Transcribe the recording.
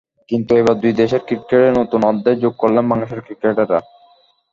কিন্তু এবার দুই দেশের ক্রিকেটে নতুন অধ্যায় যোগ করলেন বাংলাদেশের ক্রিকেটাররা।